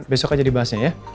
besok aja dibahasnya ya